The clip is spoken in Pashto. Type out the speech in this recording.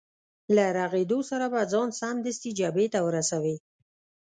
له رغېدو سره به ځان سمدستي جبهې ته ورسوې.